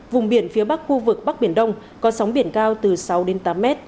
vùng biển phía bắc khu vực bắc biển đông có sóng biển cao từ sáu đến tám mét